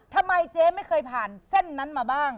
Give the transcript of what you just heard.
ทำไมเจ๊ไม่เคยผ่านเส้นนั้นมาบ้าง